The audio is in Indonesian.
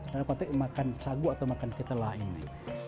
maka makan sagu atau makan ketela ini